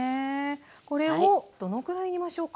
これをどのくらい煮ましょうか。